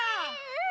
うん！